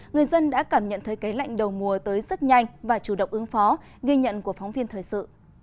người dân đã cảm nhận thấy cái lạnh đầu mùa tới rất nhanh và chủ động ứng phó ghi nhận của phóng viên thời sự